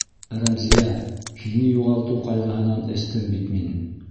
Рәмзиә, һине юғалтыу ҡайғыһынан эстем бит мин...